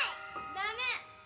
ダメ！